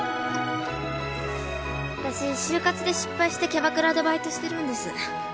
私就活で失敗してキャバクラでバイトしてるんです。